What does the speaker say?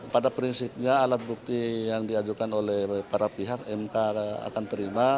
pada prinsipnya alat bukti yang diajukan oleh para pihak mk akan terima